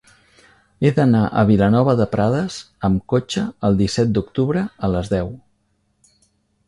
He d'anar a Vilanova de Prades amb cotxe el disset d'octubre a les deu.